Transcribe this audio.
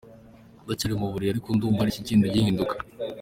Ndacyari mu buriri ariko ndumva hari ikigenda gihinduka.